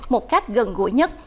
một cách gần gũi nhất